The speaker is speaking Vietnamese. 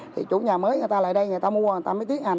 thì chủ nhà mới người ta lại đây người ta mua người ta mới tiết hành